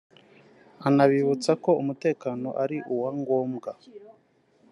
anabibutsa ko umutekano ari uwa ngombwa